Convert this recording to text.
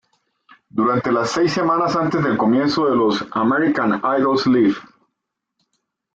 Durante las seis semanas antes del comienzo de los "American Idols Live!